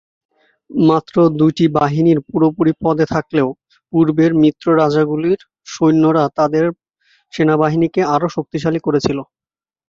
মাত্র দুটি বাহিনী পুরোপুরি পদে থাকলেও পূর্বের মিত্র রাজ্যগুলির সৈন্যরা তাদের সেনাবাহিনীকে আরও শক্তিশালী করেছিল।